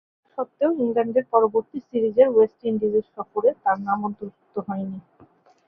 তাস্বত্ত্বেও ইংল্যান্ডের পরবর্তী সিরিজের ওয়েস্ট ইন্ডিজের সফরে তার নাম অন্তর্ভুক্ত হয়নি।